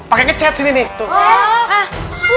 pakai ngecat sini nih